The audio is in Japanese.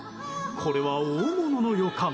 これは大物の予感。